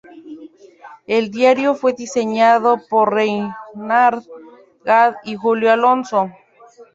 El diario fue diseñado por Reinhard Gade y Julio Alonso.